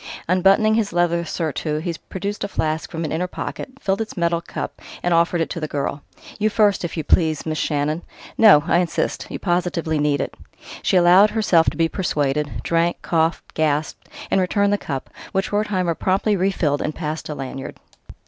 Unbuttoning his leather surtout, he produced a flask from an inner pocket, filled its metal cup, and offered it to the girl. "You first, if you please, Miss Shannon. No I insist. You positively need it." She allowed herself to be persuaded, drank, coughed, gasped, and returned the cup, which Wertheimer promptly refilled and passed to Lanyard.